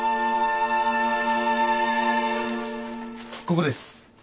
ここです。